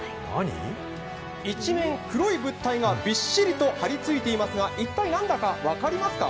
一面黒い物体がびっしりと張りついていますが一体何だか分かりますか？